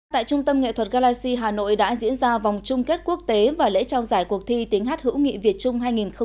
tại trung tâm nghệ thuật galaxy hà nội đã diễn ra vòng chung kết quốc tế và lễ trao giải cuộc thi tiếng hát hữu nghị việt trung hai nghìn một mươi chín